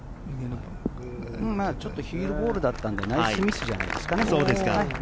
ちょっとヒールボールだったんで、ナイスミスじゃないですか。